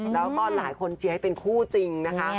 แล้วก็หลายคนเจี๊ยให้เป็นคู่จริงนะคะ